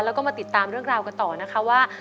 แล้วก็มาติดตามเรื่องราวกันต่อนะคะว่า